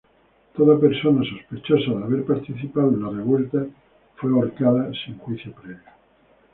Toda persona sospechosa de haber participado en la revuelta fue ahorcada sin juicio previo.